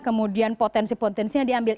kemudian potensi potensinya diambil